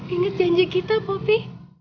ingat janji kita poppy